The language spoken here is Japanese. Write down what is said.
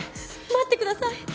待ってください